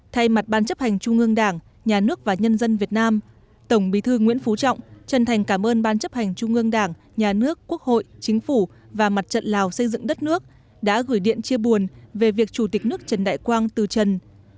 thay mặt ban chấp hành trung ương đảng nhà nước và nhân dân việt nam tổng bí thư nguyễn phú trọng chân thành cảm ơn ban chấp hành trung ương đảng nhà nước quốc hội chính phủ và mặt trận lào xây dựng đất nước đã gửi điện chia buồn về việc chủ tịch nước trần đại quang từ trần